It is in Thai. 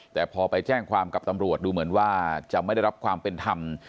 แต่พอไปแจ้งความกับตำรวจดูเหมือนว่าจะไม่ได้รับความเป็นธรรม